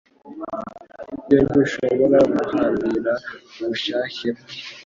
Ibyo ntibishobora guhambira ubushake bwe